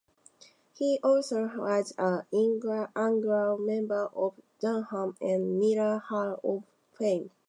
He also was an inaugural member of Dunham and Miller Hall of Fame.